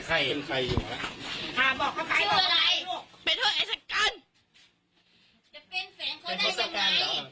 จะเป็นแฝงเค้าได้ยังไง